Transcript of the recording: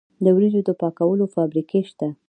د وریجو د پاکولو فابریکې شته.